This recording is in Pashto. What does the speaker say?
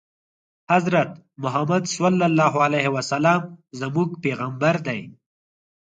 حضرت محمد ص زموږ پیغمبر دی